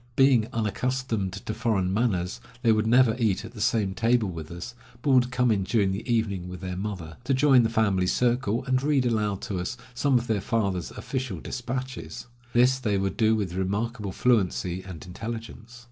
Being unaccustomed to foreign manners, they would never eat at the same table with us, but would come in during the evening with their mother, to join the family circle and read aloud to us some of their father's official despatches. This they would do with remarkable fluency and intelligence.